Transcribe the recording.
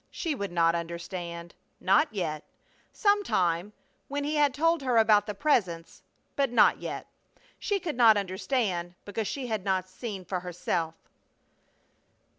She would not understand. Not yet! Some time, when he had told her about the Presence but not yet! She could not understand because she had not seen for herself.